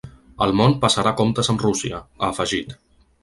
El món passarà comptes amb Rússia, ha afegit.